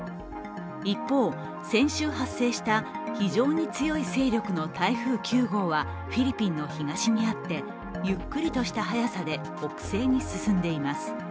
一方、先週発生した非常に強い勢力の台風９号はフィリピンの東にあってゆっくりとした速さで北西に進んでいます。